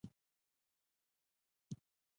دا کتاب پر همدې ارزښتونو چمتو او ترتیب شوی دی.